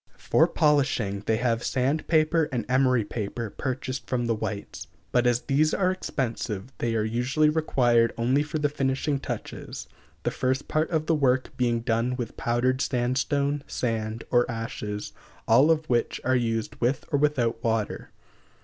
For polishing, they have sand paper and emery paper purchased from the whites; but as these are expensive, they are usually required only for the finishing touches, the first part of the work being done with powdered sandstone, sand, or ashes, all of which are used with or without water.